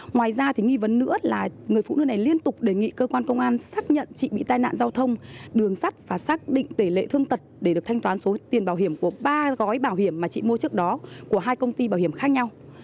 ngoài ra thì nghi vấn nữa là người phụ nữ này liên tục đề nghị cơ quan công an xác nhận chị bị tai nạn giao thông đường sắt và xác định tỷ lệ thương tật để được thanh toán số tiền bảo hiểm của ba gói bảo hiểm mà chị mua trước đó của hai công ty bảo hiểm khác nhau